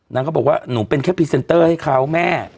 นางก็บอกว่าหนูเป็นแค่พรีเซนเตอร์ให้เขาแม่